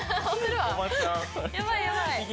やばいやばい。